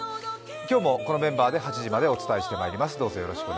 今日もこのメンバーで８時までお伝えしてまいります。